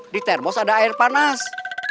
di termos ada air panas